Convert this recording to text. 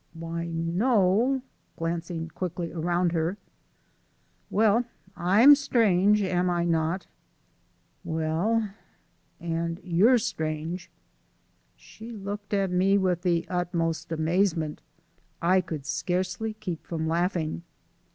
"Why, no " glancing quickly around her. "Well, I'm strange, am I not?" "Well " "And you're strange." She looked at me with the utmost amazement. I could scarcely keep from laughing.